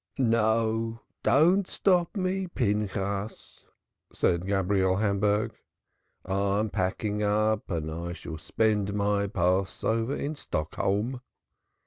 "No, don't stop me, Pinchas," said Gabriel Hamburg. "I'm packing up, and I shall spend my Passover in Stockholm.